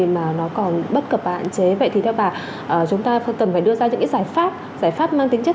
mà nó còn bất cập và hạn chế vậy thì theo bà chúng ta cần phải đưa ra những cái giải pháp giải pháp mang tính chất